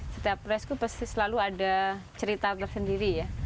setiap rescue pasti selalu ada cerita tersendiri ya